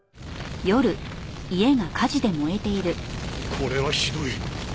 これはひどい。